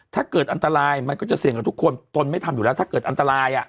ถ้าเกิดอันตรายมันก็จะเสี่ยงกับทุกคนตนไม่ทำอยู่แล้วถ้าเกิดอันตราย